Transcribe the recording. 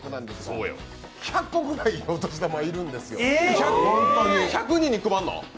１００個ぐらいのお年玉、要るんですよ。